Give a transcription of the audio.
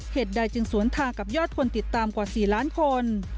ใดจึงสวนทางกับยอดคนติดตามกว่า๔ล้านคน